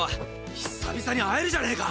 久々に会えるじゃねェか！